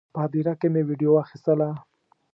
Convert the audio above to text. په هدیره کې مې ویډیو اخیستله.